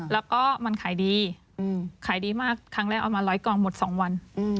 แล้วก็มันขายดีขายดีมากครั้งแรกเอามาร้อยกองหมด๒วัน